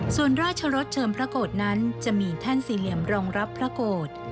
ส่วนราชรสเชิมพระโกรธนั้นจะมีแท่นสี่เหลี่ยมรองรับพระโกรธ